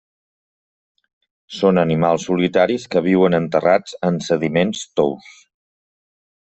Són animals solitaris que viuen enterrats en sediments tous.